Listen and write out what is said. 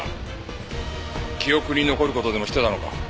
記憶に残る事でもしてたのか？